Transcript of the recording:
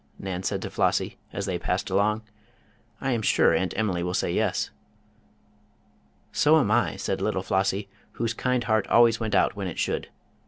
Nan said to Flossie, as they passed along. "I am sure Aunt Emily will say yes." "So am I," said little Flossie, whose kind heart always went out when it should.